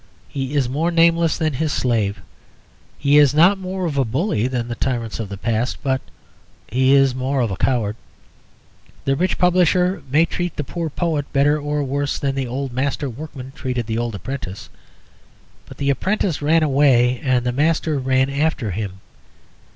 He is more nameless than his slave. He is not more of a bully than the tyrants of the past; but he is more of a coward. The rich publisher may treat the poor poet better or worse than the old master workman treated the old apprentice. But the apprentice ran away and the master ran after him.